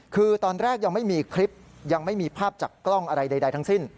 คือตอนแรกยังไม่มีคลิปยังไม่มีภาพจากกล้องอะไรใดทั้งสิ้น